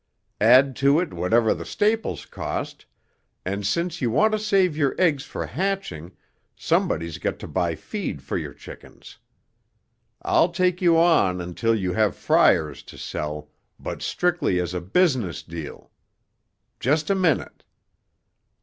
Add to it whatever the staples cost, and since you want to save your eggs for hatching, somebody's got to buy feed for your chickens. I'll take you on until you have fryers to sell, but strictly as a business deal. Just a minute."